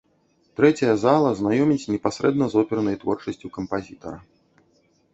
Трэцяя зала знаёміць непасрэдна з опернай творчасцю кампазітара.